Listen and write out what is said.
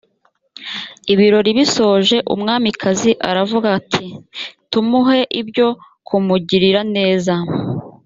ibirori bisoje umwamikazi aravuga ati tumuhe ibyo kumugirira neza